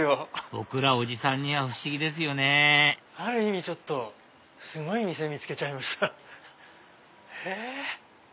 僕らおじさんには不思議ですよねある意味すごい店見つけちゃいました。え？